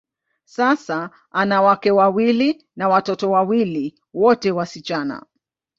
Sasa, ana wake wawili na watoto wawili, wote wasichana.